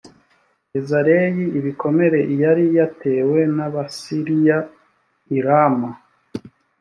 yezereli ibikomere yari yatewe n’abasiriya i rama